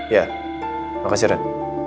ya makasih ren